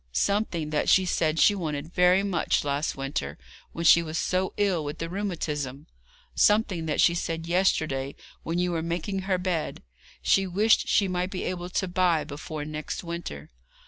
'Something that she said she wanted very much last winter, when she was so ill with the rheumatism something that she said yesterday, when you were making her bed, she wished she might be able to buy before next winter.'